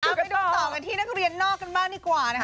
เอาไปดูต่อกันที่นักเรียนนอกกันบ้างดีกว่านะคะ